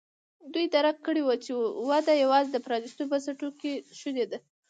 دوی درک کړې وه چې وده یوازې د پرانیستو بنسټونو کې شونې ده.